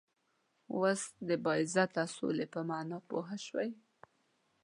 وس د باعزته سولی په معنا پوهه شوئ